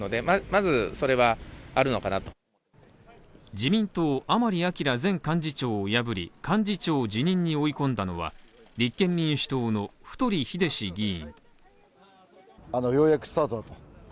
自民党、甘利明前幹事長を破り、幹事長を辞任に追い込んだのは、立憲民主党の太栄志議員。